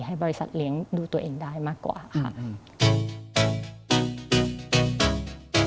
ให้บริษัทเลี้ยงดูตัวเองได้มากกว่าค่ะ